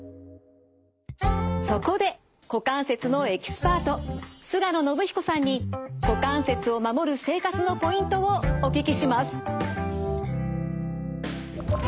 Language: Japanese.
そこで股関節のエキスパート菅野伸彦さんに股関節を守る生活のポイントをお聞きします。